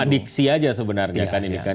diksi aja sebenarnya kan ini kan